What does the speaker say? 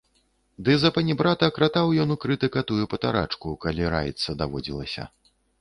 Ды запанібрата кратаў ён у крытыка тую патарчаку, калі раіцца даводзілася.